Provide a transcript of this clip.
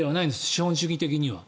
資本主義的には。